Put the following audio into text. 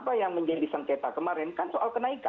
apa yang menjadi sengketa kemarin kan soal kenaikan